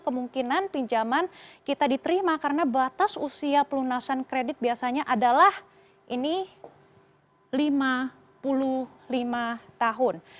kemungkinan pinjaman kita diterima karena batas usia pelunasan kredit biasanya adalah ini lima puluh lima tahun